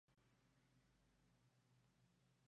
Daba exhibiciones de juego a la ciega de una manera singular.